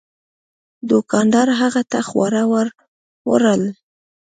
دوکاندار هغه ته خواړه ور وړل.